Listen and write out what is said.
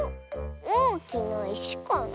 おおきないしかな？